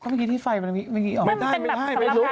เค้าไม่คิดที่ไฟมันมีออกมาหรือเปล่ามันเป็นแบบไม่ได้ไม่ลุก